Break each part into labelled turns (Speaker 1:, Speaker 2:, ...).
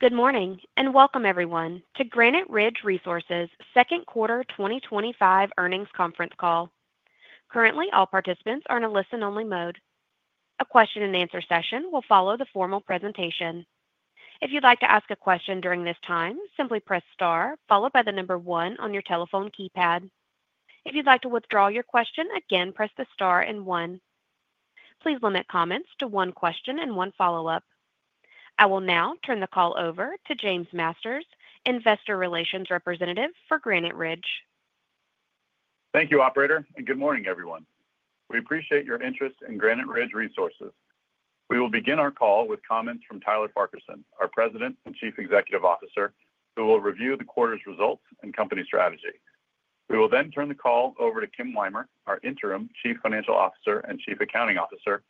Speaker 1: Good morning and welcome, everyone, to Granite Ridge Resources' Second Quarter 2025 Earnings Conference Call. Currently, all participants are in a listen-only mode. A question-and-answer session will follow the formal presentation. If you'd like to ask a question during this time, simply press star followed by the number one on your telephone keypad. If you'd like to withdraw your question, again press the star and one. Please limit comments to one question and one follow-up. I will now turn the call over to James Masters, Investor Relations Representative for Granite Ridge.
Speaker 2: Thank you, operator, and good morning, everyone. We appreciate your interest in Granite Ridge Resources. We will begin our call with comments from Tyler Farquharson, our President and Chief Executive Officer, who will review the quarter's results and company strategy. We will then turn the call over to Kim Weimer, our Interim Chief Financial Officer and Chief Accounting Officer,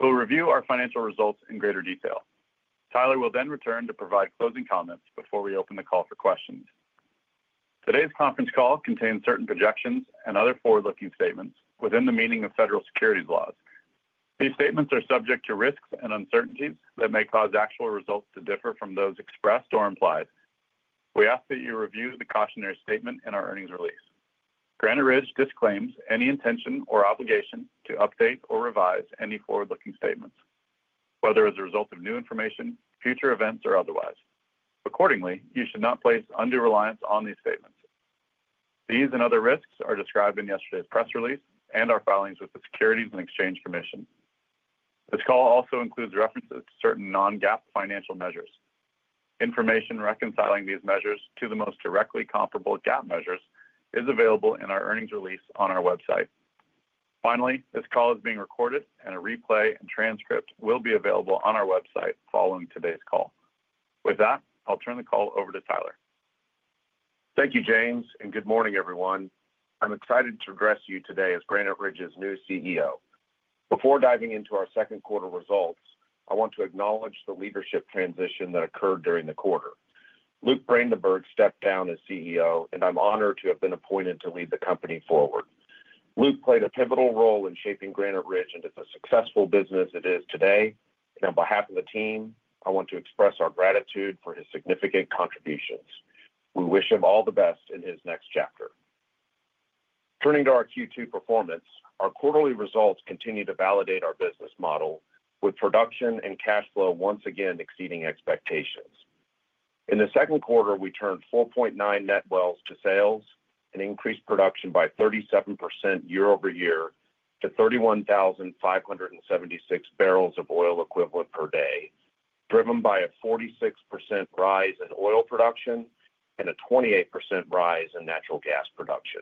Speaker 2: who will review our financial results in greater detail. Tyler will then return to provide closing comments before we open the call for questions. Today's conference call contains certain projections and other forward-looking statements within the meaning of federal securities laws. These statements are subject to risks and uncertainties that may cause actual results to differ from those expressed or implied. We ask that you review the cautionary statement in our earnings release. Granite Ridge Resources disclaims any intention or obligation to update or revise any forward-looking statements, whether as a result of new information, future events, or otherwise. Accordingly, you should not place undue reliance on these statements. These and other risks are described in yesterday's press release and our filings with the Securities and Exchange Commission. This call also includes references to certain non-GAAP financial measures. Information reconciling these measures to the most directly comparable GAAP measures is available in our earnings release on our website. Finally, this call is being recorded, and a replay and transcript will be available on our website following today's call. With that, I'll turn the call over to Tyler.
Speaker 3: Thank you, James, and good morning, everyone. I'm excited to address you today as Granite Ridge Resources' new CEO. Before diving into our second quarter results, I want to acknowledge the leadership transition that occurred during the quarter. Luke Brandenberg stepped down as CEO, and I'm honored to have been appointed to lead the company forward. Luke played a pivotal role in shaping Granite Ridge Resources into the successful business it is today, and on behalf of the team, I want to express our gratitude for his significant contributions. We wish him all the best in his next chapter. Turning to our Q2 performance, our quarterly results continue to validate our business model, with production and cash flow once again exceeding expectations. In the second quarter, we turned 4.9 net wells to sales and increased production by 37% year-over-year to 31,576 BOE per day, driven by a 46% rise in oil production and a 28% rise in natural gas production.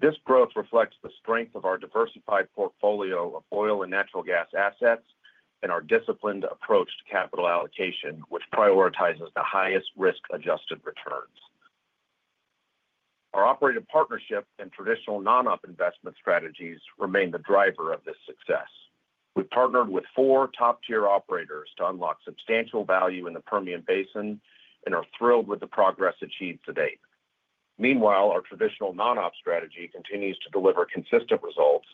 Speaker 3: This growth reflects the strength of our diversified portfolio of oil and natural gas assets and our disciplined approach to capital allocation, which prioritizes the highest risk-adjusted returns. Our Operated Partnerships and Traditional Non-Op investment strategies remain the driver of this success. We partnered with four top-tier operators to unlock substantial value in the Permian Basin and are thrilled with the progress achieved to date. Meanwhile, our Traditional Non-Op strategy continues to deliver consistent results,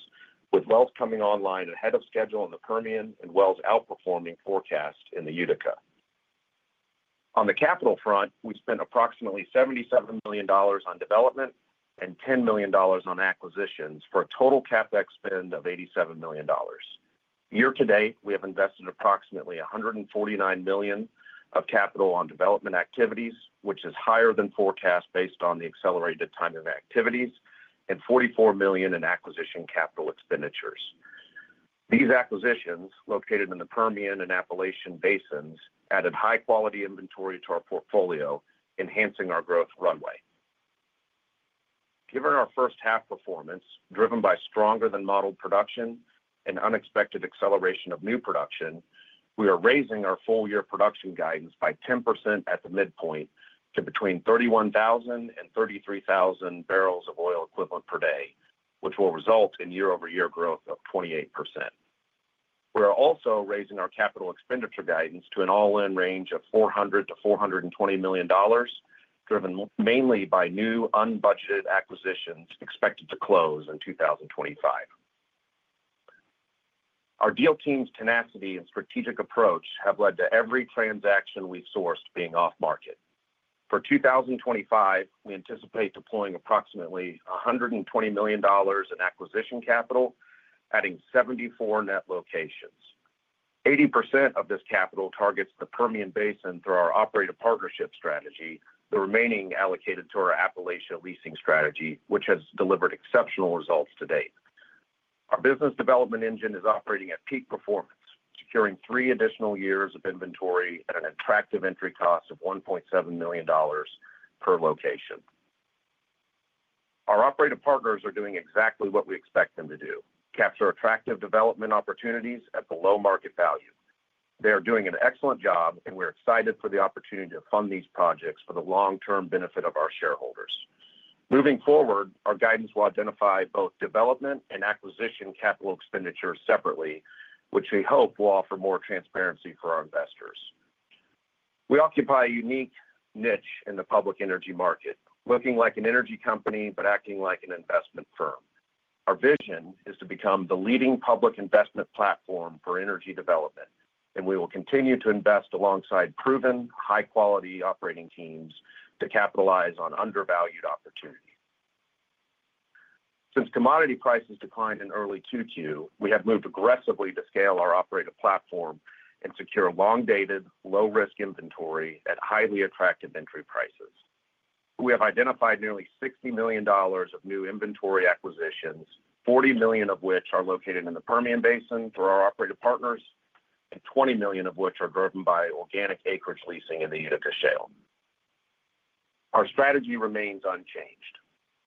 Speaker 3: with wells coming online ahead of schedule in the Permian and wells outperforming forecasts in the Utica. On the capital front, we spent approximately $77 million on development and $10 million on acquisitions for a total CapEx spend of $87 million. Year-to-date, we have invested approximately $149 million of capital on development activities, which is higher than forecast based on the accelerated timing of activities, and $44 million in acquisition capital expenditures. These acquisitions, located in the Permian and Appalachian Basins, added high-quality inventory to our portfolio, enhancing our growth runway. Given our first half performance, driven by stronger-than-modeled production and unexpected acceleration of new production, we are raising our full-year production guidance by 10% at the midpoint to between 31,000 and 33,000 BOE per day, which will result in year-over-year growth of 28%. We are also raising our capital expenditure guidance to an all-in range of $400 million-$420 million, driven mainly by new unbudgeted acquisitions expected to close in 2025. Our deal team's tenacity and strategic approach have led to every transaction we've sourced being off-market. For 2025, we anticipate deploying approximately $120 million in acquisition capital, adding 74 net locations. 80% of this capital targets the Permian Basin through our Operated Partnership strategy, the remaining allocated to our Appalachian leasing strategy, which has delivered exceptional results to date. Our business development engine is operating at peak performance, securing three additional years of inventory at an attractive entry cost of $1.7 million per location. Our operator partners are doing exactly what we expect them to do: capture attractive development opportunities at below market value. They are doing an excellent job, and we're excited for the opportunity to fund these projects for the long-term benefit of our shareholders. Moving forward, our guidance will identify both development and acquisition capital expenditures separately, which we hope will offer more transparency for our investors. We occupy a unique niche in the public energy market, looking like an energy company but acting like an investment firm. Our vision is to become the leading public investment platform for energy development, and we will continue to invest alongside proven, high-quality operating teams to capitalize on undervalued opportunity. Since commodity prices declined in early Q2, we have moved aggressively to scale our operator platform and secure long-dated, low-risk inventory at highly attractive entry prices. We have identified nearly $60 million of new inventory acquisitions, $40 million of which are located in the Permian Basin through our operator partners, and $20 million of which are driven by organic acreage leasing in the Utica Shale. Our strategy remains unchanged.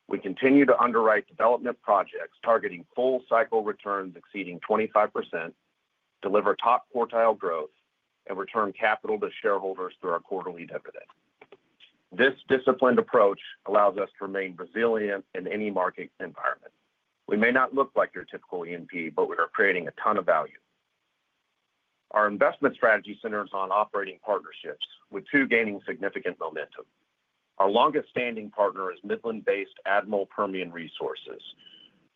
Speaker 3: We continue to underwrite development projects targeting full cycle returns exceeding 25%, deliver top quartile growth, and return capital to shareholders through our quarterly dividend. This disciplined approach allows us to remain resilient in any market environment. We may not look like your typical E&P, but we are creating a ton of value. Our investment strategy centers on Operated Partnerships, with two gaining significant momentum. Our longest-standing partner is Midland-based Admiral Permian Resources.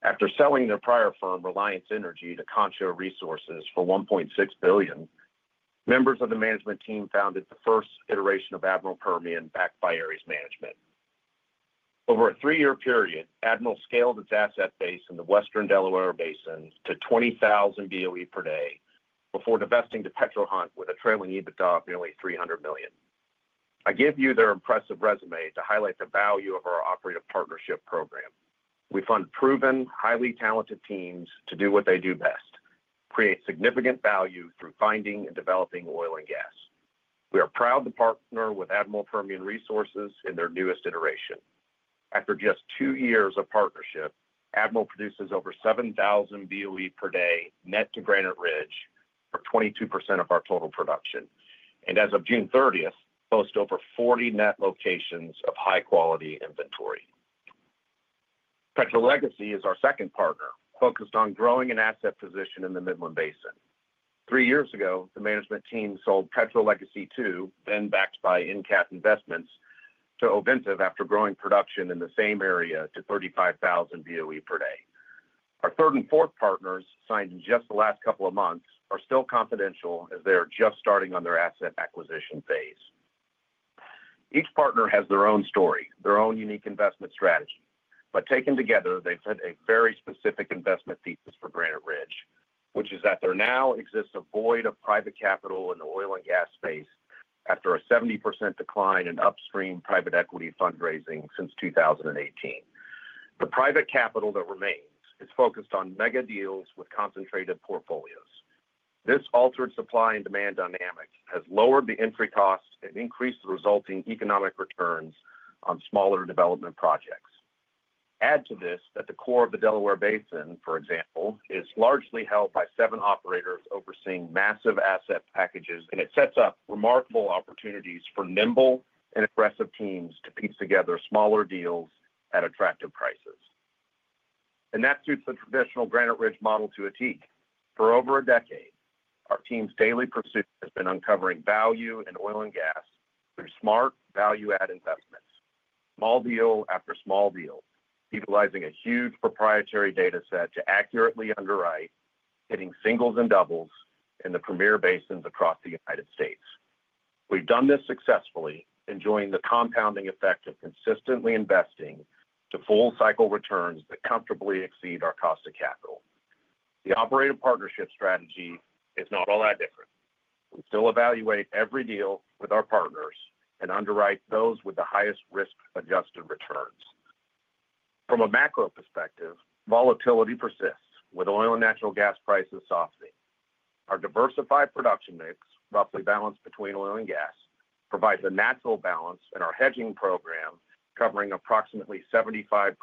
Speaker 3: After selling their prior firm, Reliance Energy, to Concho Resources for $1.6 billion, members of the management team founded the first iteration of Admiral Permian backed by Ares Management. Over a three-year period, Admiral scaled its asset base in the Western Delaware Basin to 20,000 BOE per day before divesting to Petro-Hunt with a trailing EBITDA of nearly $300 million. I gave you their impressive resume to highlight the value of our operator partnership program. We fund proven, highly talented teams to do what they do best: create significant value through finding and developing oil and gas. We are proud to partner with Admiral Permian Resources in their newest iteration. After just two years of partnership, Admiral produces over 7,000 BOE per day net to Granite Ridge for 22% of our total production, and as of June 30th, boasts over 40 net locations of high-quality inventory. PetroLegacy is our second partner, focused on growing an asset position in the Midland Basin. Three years ago, the management team sold PetroLegacy, then backed by EnCap Investments, to Ovintiv after growing production in the same area to 35,000 BOE per day. Our third and fourth partners signed in just the last couple of months are still confidential as they are just starting on their asset acquisition phase. Each partner has their own story, their own unique investment strategy, but taken together, they've hit a very specific investment thesis for Granite Ridge Resources, which is that there now exists a void of private capital in the oil and gas space after a 70% decline in upstream private equity fundraising since 2018. The private capital that remains is focused on mega-deals with concentrated portfolios. This altered supply-and-demand dynamic has lowered the entry costs and increased the resulting economic returns on smaller development projects. Add to this that the core of the Delaware Basin, for example, is largely held by seven operators overseeing massive asset packages, and it sets up remarkable opportunities for nimble and aggressive teams to piece together smaller deals at attractive prices. That suits the traditional Granite Ridge Resources model to a tee. For over a decade, our team's daily pursuit has been uncovering value in oil and gas through smart value-add investments, small deal after small deal, utilizing a huge proprietary data set to accurately underwrite, hitting singles and doubles in the premier basins across the United States. We've done this successfully, enjoying the compounding effect of consistently investing to full cycle returns that comfortably exceed our cost of capital. The Operated Partnership strategy is not all that different. We still evaluate every deal with our partners and underwrite those with the highest risk-adjusted returns. From a macro perspective, volatility persists with oil and natural gas prices softening. Our diversified production mix, roughly balanced between oil and gas, provides a natural balance, and our hedging program, covering approximately 75%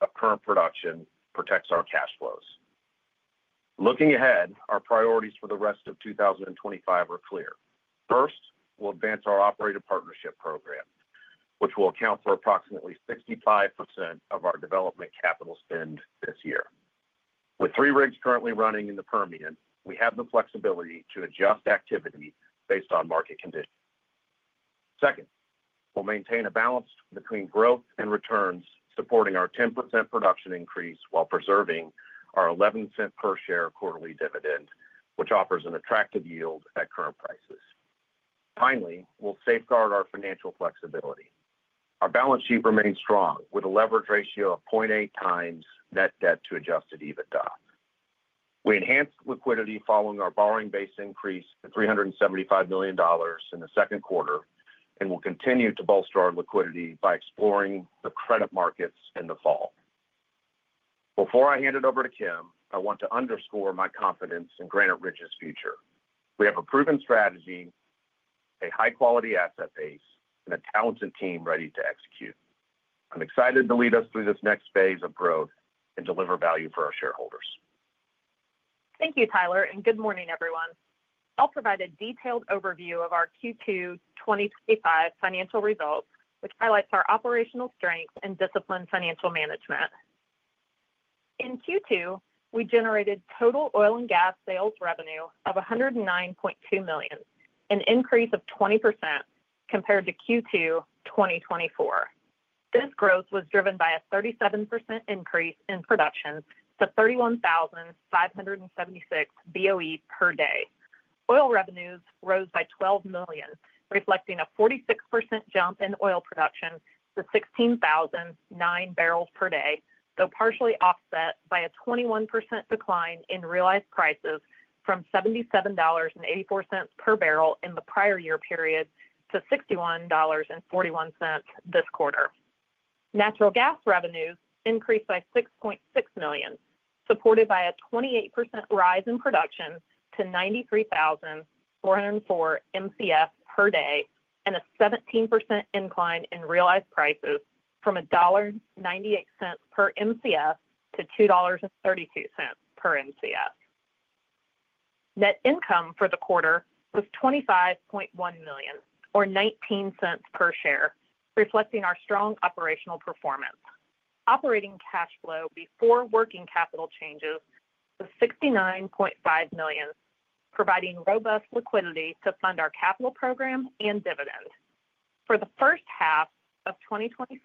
Speaker 3: of current production, protects our cash flows. Looking ahead, our priorities for the rest of 2025 are clear. First, we'll advance our Operated Partnership program, which will account for approximately 65% of our development capital spend this year. With three rigs currently running in the Permian Basin, we have the flexibility to adjust activity based on market conditions. Second, we'll maintain a balance between growth and returns, supporting our 10% production increase while preserving our $0.11 per share quarterly dividend, which offers an attractive yield at current prices. Finally, we'll safeguard our financial flexibility. Our balance sheet remains strong with a leverage ratio of 0.8x net debt to adjusted EBITDA. We enhanced liquidity following our borrowing base increase to $375 million in the second quarter, and we'll continue to bolster our liquidity by exploring the credit markets in the fall. Before I hand it over to Kim, I want to underscore my confidence in Granite Ridge Resources' future. We have a proven strategy, a high-quality asset base, and a talented team ready to execute. I'm excited to lead us through this next phase of growth and deliver value for our shareholders.
Speaker 4: Thank you, Tyler, and good morning, everyone. I'll provide a detailed overview of our Q2 2025 financial results, which highlights our operational strengths and disciplined financial management. In Q2, we generated total oil and gas sales revenue of $109.2 million, an increase of 20% compared to Q2 2024. This growth was driven by a 37% increase in production to 31,576 BOE per day. Oil revenues rose by $12 million, reflecting a 46% jump in oil production to 16,009 bbl per day, though partially offset by a 21% decline in realized prices from $77.84 per barrel in the prior year period to $61.41 this quarter. Natural gas revenues increased by $6.6 million, supported by a 28% rise in production to 93,404 Mcf per day and a 17% incline in realized prices from $1.98 per Mcf to $2.32 per Mcf. Net income for the quarter was $25.1 million or $0.19 per share, reflecting our strong operational performance. Operating cash flow before working capital changes was $69.5 million, providing robust liquidity to fund our capital program and dividend. For the first half of 2025,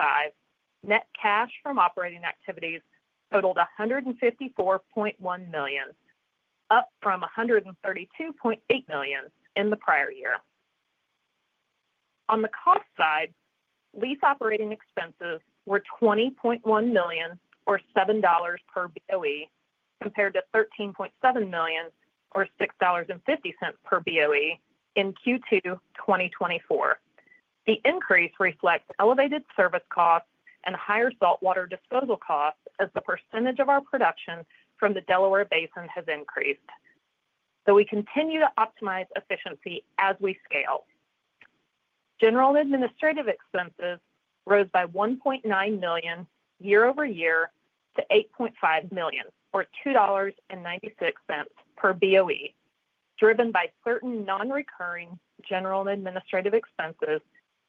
Speaker 4: net cash from operating activities totaled $154.1 million, up from $132.8 million in the prior year. On the cost side, lease operating expenses were $20.1 million or $7 per BOE compared to $13.7 million or $6.50 per BOE in Q2 2024. The increase reflects elevated service costs and higher saltwater disposal costs as the percentage of our production from the Delaware Basin has increased. We continue to optimize efficiency as we scale. General and administrative expenses rose by $1.9 million year-over-year to $8.5 million or $2.96 per BOE, driven by certain non-recurring general and administrative expenses,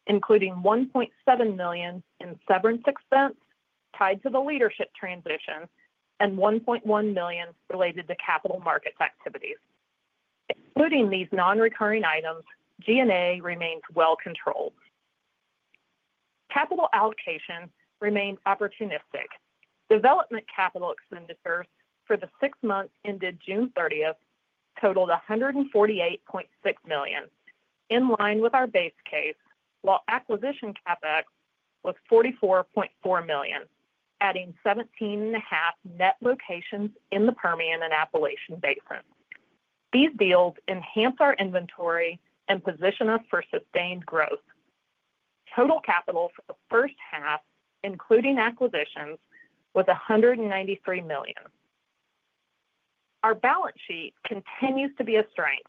Speaker 4: including $1.7 million in severance expense tied to the leadership transition and $1.1 million related to capital markets activities. Including these non-recurring items, G&A remains well controlled. Capital allocation remains opportunistic. Development capital expenditures for the six months ended June 30th totaled $148.6 million, in line with our base case, while acquisition CapEx was $44.4 million, adding 17.5 net locations in the Permian and Appalachian Basin. These deals enhance our inventory and position us for sustained growth. Total capital for the first half, including acquisitions, was $193 million. Our balance sheet continues to be a strength.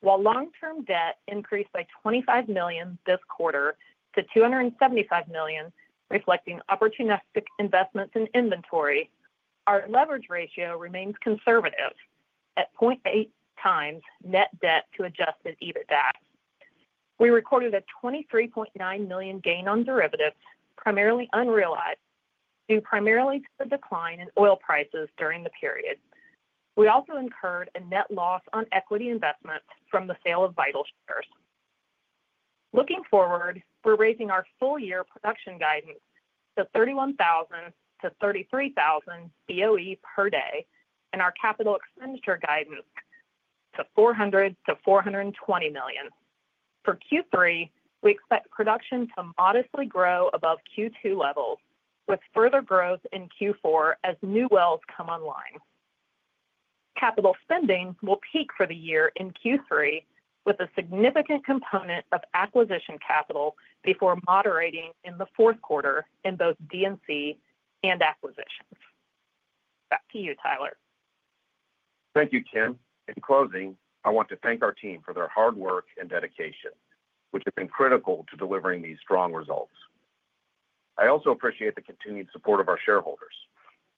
Speaker 4: While long-term debt increased by $25 million this quarter to $275 million, reflecting opportunistic investments in inventory, our leverage ratio remains conservative at 0.8x net debt to adjusted EBITDA. We recorded a $23.9 million gain on derivatives, primarily unrealized due primarily to the decline in oil prices during the period. We also incurred a net loss on equity investments from the sale of vital shares. Looking forward, we're raising our full-year production guidance to 31,000-33,000 BOE per day and our capital expenditure guidance to $400 million-$420 million. For Q3, we expect production to modestly grow above Q2 levels, with further growth in Q4 as new wells come online. Capital spending will peak for the year in Q3 with a significant component of acquisition capital before moderating in the fourth quarter in both D&C and acquisitions. Back to you, Tyler.
Speaker 3: Thank you, Kim. In closing, I want to thank our team for their hard work and dedication, which has been critical to delivering these strong results. I also appreciate the continued support of our shareholders.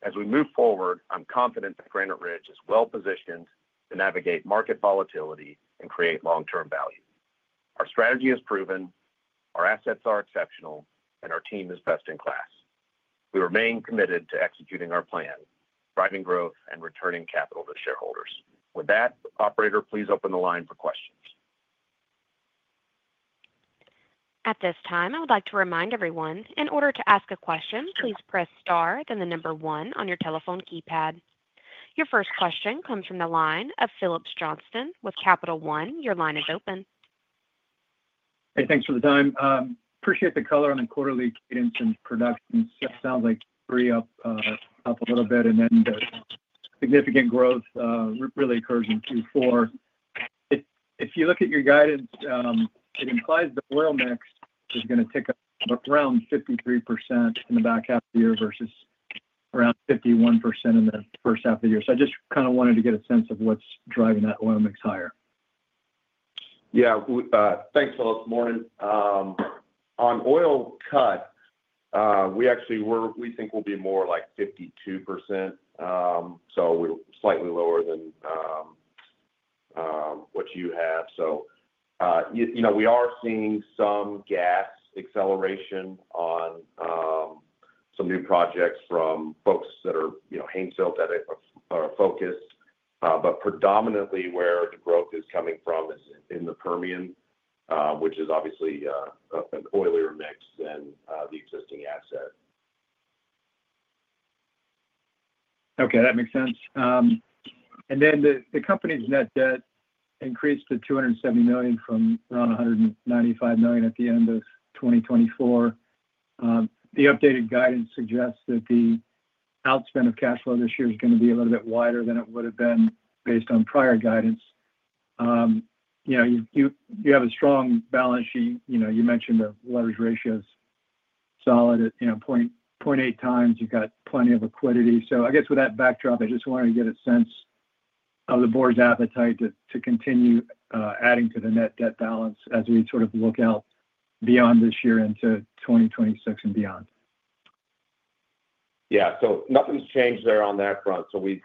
Speaker 3: As we move forward, I'm confident that Granite Ridge Resources is well-positioned to navigate market volatility and create long-term value. Our strategy is proven, our assets are exceptional, and our team is best in class. We remain committed to executing our plan, driving growth, and returning capital to shareholders. With that, operator, please open the line for questions.
Speaker 1: At this time, I would like to remind everyone, in order to ask a question, please press star, then the number one on your telephone keypad. Your first question comes from the line of Phillips Johnston with Capital One. Your line is open.
Speaker 5: Hey, thanks for the time. Appreciate the color on the quarterly guidance and productions. It sounds like three up, up a little bit, and then the significant growth really occurs in Q4. If you look at your guidance, it implies the oil mix is going to take up around 53% in the back half of the year versus around 51% in the first half of the year. I just kind of wanted to get a sense of what's driving that oil mix higher.
Speaker 3: Yeah, thanks Phillips. Morning. On oil cut, we actually think we'll be more like 52%. We're slightly lower than what you have. We are seeing some gas acceleration on some new projects from folks that are, you know, Haynesville that are focused. Predominantly, where the growth is coming from is in the Permian, which is obviously an oilier mix than the existing asset.
Speaker 5: Okay, that makes sense. The company's net debt increased to $270 million from around $195 million at the end of 2024. The updated guidance suggests that the outspent of cash flow this year is going to be a little bit wider than it would have been based on prior guidance. You have a strong balance sheet. You mentioned the leverage ratio is solid at 0.8x. You've got plenty of liquidity. I just wanted to get a sense of the board's appetite to continue adding to the net debt balance as we sort of look out beyond this year into 2026 and beyond.
Speaker 3: Nothing's changed there on that front. We've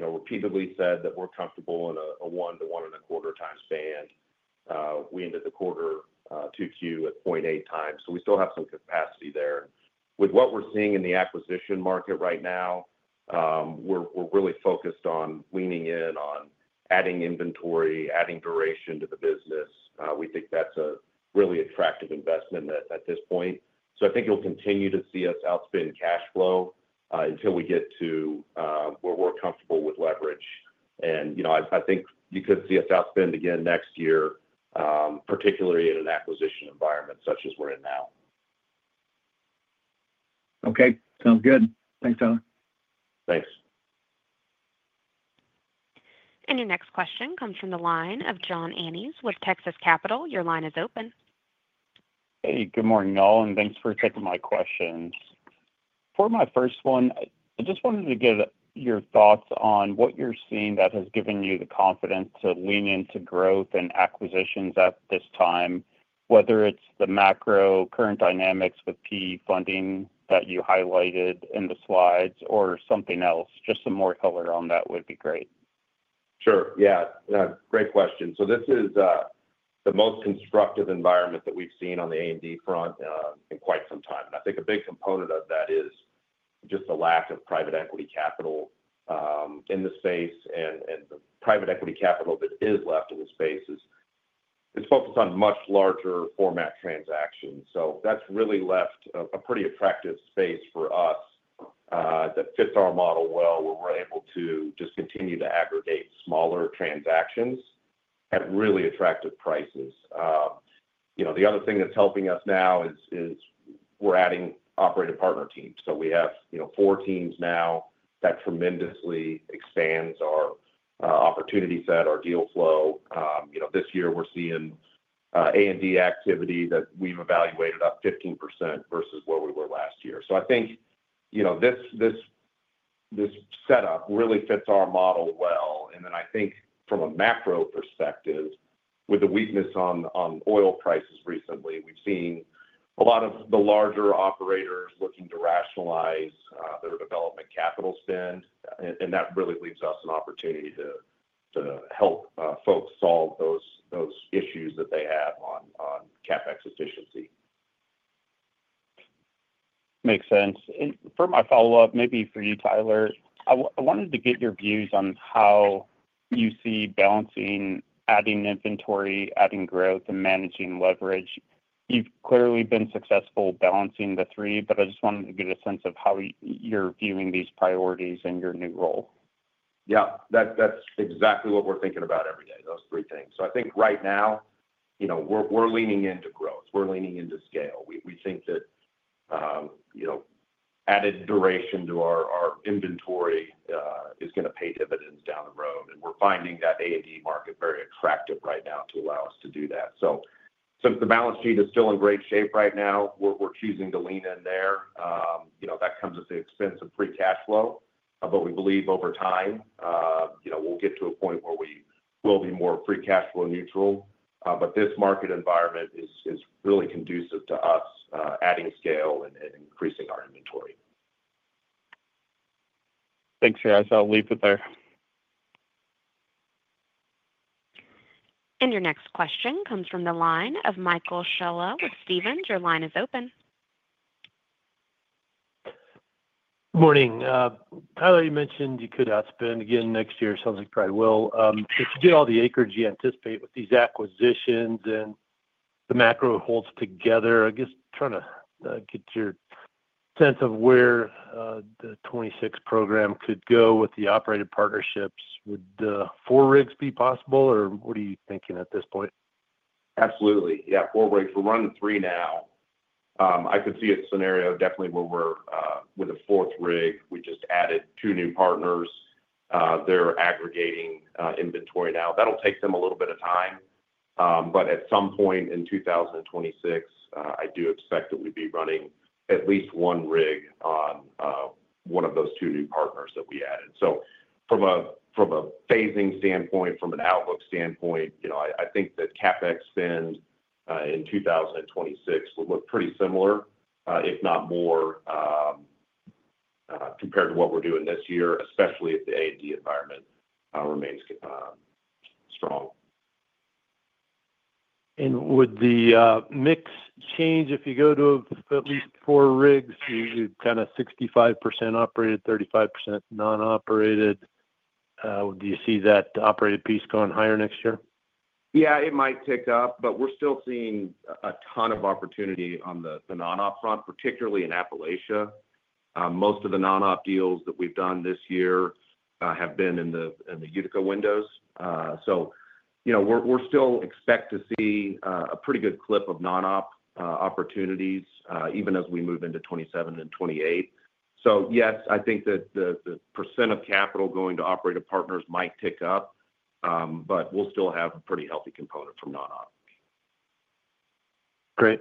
Speaker 3: repeatedly said that we're comfortable in a 1x-1.25x span. We ended the quarter Q2 at 0.8x. We still have some capacity there. With what we're seeing in the acquisition market right now, we're really focused on leaning in on adding inventory, adding duration to the business. We think that's a really attractive investment at this point. I think you'll continue to see us outspend cash flow until we get to where we're comfortable with leverage. I think you could see us outspend again next year, particularly in an acquisition environment such as we're in now.
Speaker 5: Okay, sounds good. Thanks, Tyler.
Speaker 3: Thanks.
Speaker 1: Your next question comes from the line of John Annis with Texas Capital. Your line is open.
Speaker 6: Hey, good morning, all, and thanks for taking my questions. For my first one, I just wanted to get your thoughts on what you're seeing that has given you the confidence to lean into growth and acquisitions at this time, whether it's the macro current dynamics with PE funding that you highlighted in the slides or something else. Just some more color on that would be great.
Speaker 3: Sure. Yeah, great question. This is the most constructive environment that we've seen on the A&D front in quite some time. I think a big component of that is just the lack of private-equity capital in the space. The private-equity capital that is left in the space is focused on much larger format transactions. That has really left a pretty attractive space for us that fits our model well, where we're able to just continue to aggregate smaller transactions at really attractive prices. The other thing that's helping us now is we're adding operator partner teams. We have four teams now that tremendously expand our opportunity set, our deal flow. This year we're seeing A&D activity that we've evaluated up 15% versus where we were last year. I think this setup really fits our model well. From a macro perspective, with the weakness on oil prices recently, we've seen a lot of the larger operators looking to rationalize their development capital spend. That really leaves us an opportunity to help folks solve those issues that they have on CapEx efficiency.
Speaker 6: Makes sense. For my follow-up, maybe for you, Tyler, I wanted to get your views on how you see balancing, adding inventory, adding growth, and managing leverage. You've clearly been successful balancing the three, but I just wanted to get a sense of how you're viewing these priorities in your new role.
Speaker 3: Yeah, that's exactly what we're thinking about every day, those three things. I think right now, you know, we're leaning into growth. We're leaning into scale. We think that, you know, added duration to our inventory is going to pay dividends down the road. We're finding that A&D market very attractive right now to allow us to do that. Since the balance sheet is still in great shape right now, we're choosing to lean in there. That comes at the expense of free cash flow, but we believe over time, you know, we'll get to a point where we will be more free cash flow neutral. This market environment is really conducive to us adding scale and increasing our inventory.
Speaker 6: Thanks, guys. I'll leave it there.
Speaker 1: Your next question comes from the line of Michael Scialla with Stephens. Your line is open.
Speaker 7: Morning. Tyler, you mentioned you could outspend again next year. Sounds like you probably will. If you get all the acreage you anticipate with these acquisitions, then the macro holds together. I guess trying to get your sense of where the 2026 program could go with the operator partnerships. Would the four rigs be possible, or what are you thinking at this point?
Speaker 3: Absolutely. Yeah, four rigs. We're running three now. I could see a scenario definitely where we're with a fourth rig. We just added two new partners. They're aggregating inventory now. That'll take them a little bit of time. At some point in 2026, I do expect that we'd be running at least one rig on one of those two new partners that we added. From a phasing standpoint, from an outlook standpoint, I think that CapEx spend in 2026 would look pretty similar, if not more, compared to what we're doing this year, especially if the A&D environment remains strong.
Speaker 7: Would the mix change if you go to at least four rigs? You are kind of 65% operated, 35% non-operated. Do you see that operated piece going higher next year?
Speaker 3: Yeah, it might tick up, but we're still seeing a ton of opportunity on the Non-Op front, particularly in the Appalachian Basin. Most of the Non-Op deals that we've done this year have been in the Utica windows. You know, we still expect to see a pretty good clip of Non-Op opportunities even as we move into 2027 and 2028. Yes, I think that the percent of capital going to operator partnerships might tick up, but we'll still have a pretty healthy component from Non-Op.
Speaker 7: Great.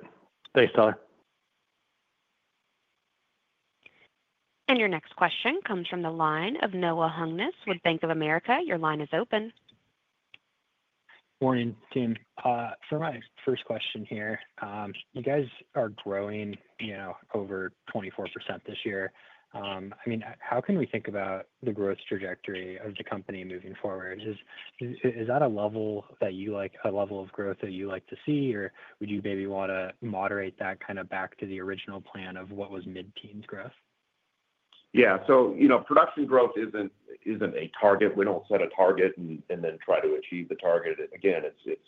Speaker 7: Thanks, Tyler.
Speaker 1: Your next question comes from the line of Noah Hungness with Bank of America. Your line is open.
Speaker 8: Morning, Tim. For my first question here, you guys are growing, you know, over 24% this year. I mean, how can we think about the growth trajectory of the company moving forward? Is that a level that you like, a level of growth that you like to see, or would you maybe want to moderate that kind of back to the original plan of what was mid-teens growth?
Speaker 3: Yeah, production growth isn't a target. We don't set a target and then try to achieve the target. Again, it's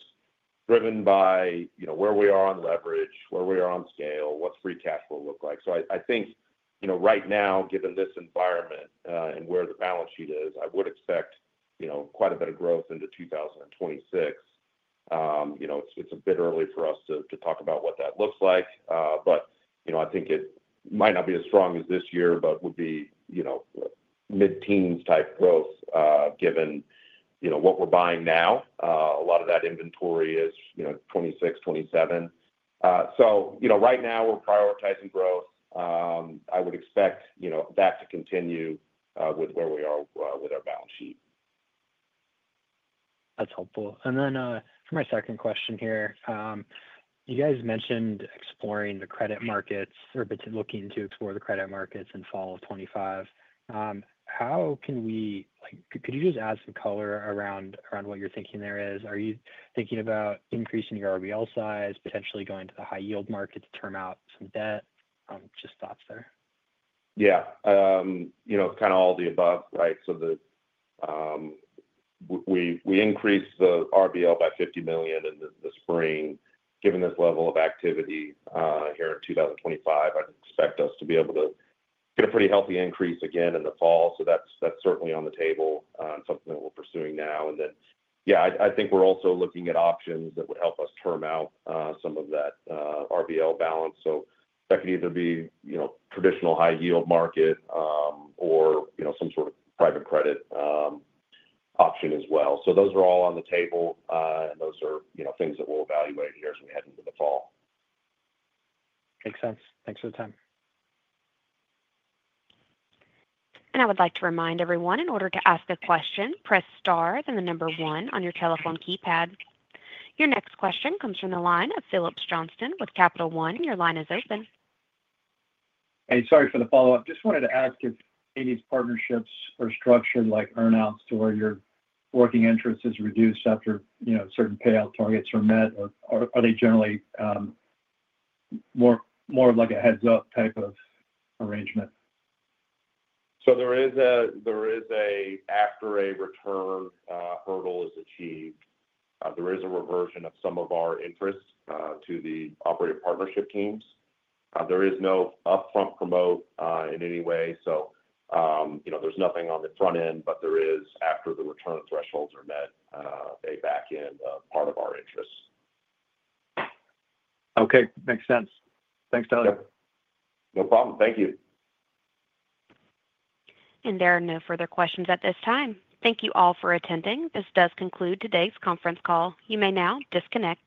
Speaker 3: driven by where we are on leverage, where we are on scale, what's free cash flow look like. I think right now, given this environment and where the balance sheet is, I would expect quite a bit of growth into 2026. It's a bit early for us to talk about what that looks like. I think it might not be as strong as this year, but would be mid-teens type growth given what we're buying now, a lot of that inventory at 2026, 2027. Right now we're prioritizing growth. I would expect that to continue with where we are with our balance sheet.
Speaker 8: That's helpful. For my second question here, you guys mentioned exploring the credit markets or looking to explore the credit markets in the fall of 2025. How can we, like, could you just add some color around what you're thinking there? Are you thinking about increasing your RBL size, potentially going to the high yield market to term out some debt? Just thoughts there.
Speaker 3: Yeah, you know, kind of all the above, right? We increased the RBL by $50 million in the spring. Given this level of activity here in 2025, I'd expect us to be able to get a pretty healthy increase again in the fall. That's certainly on the table and something that we're pursuing now. I think we're also looking at options that would help us term out some of that RBL balance. That could either be, you know, traditional high yield market or some sort of private credit option as well. Those are all on the table, and those are things that we'll evaluate here as we head into the fall.
Speaker 8: Makes sense. Thanks for the time.
Speaker 1: I would like to remind everyone, in order to ask a question, press star, then the number one on your telephone keypad. Your next question comes from the line of Phillips Johnston with Capital One. Your line is open.
Speaker 5: Sorry for the follow-up. Just wanted to ask if any of these partnerships are structured like earnouts to where your working interest is reduced after, you know, certain payout targets are met? Or are they generally more of like a heads-up type of arrangement?
Speaker 3: There is, after a return hurdle is achieved, a reversion of some of our interest to the operator partnership teams. There is no upfront promote in any way. There's nothing on the front end, but there is, after the return thresholds are met, a back-end part of our interest.
Speaker 5: Okay, makes sense. Thanks, Tyler.
Speaker 3: No problem. Thank you.
Speaker 1: There are no further questions at this time. Thank you all for attending. This does conclude today's conference call. You may now disconnect.